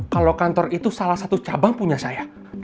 kalau kantor itu salah satu cabang punya saya